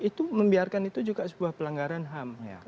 itu membiarkan itu juga sebuah pelanggaran ham